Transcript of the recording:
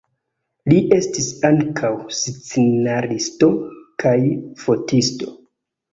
Li estis ankaŭ scenaristo kaj fotisto.